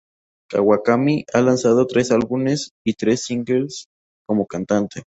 Kawakami ha lanzado tres álbumes y tres singles como cantante.